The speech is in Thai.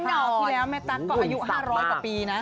ดาวที่แล้วแม่ตั๊กก็อายุ๕๐๐กว่าปีนะ